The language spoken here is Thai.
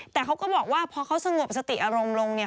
แต่เขาก็บอกว่าพอเขาสงบสติอารมณ์ลงเนี่ย